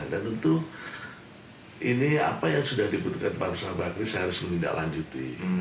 dan tentu ini apa yang sudah dibutuhkan pak ustadz bakri saya harus menindaklanjuti